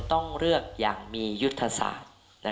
ต้องเลือกอย่างมียุทธศาสตร์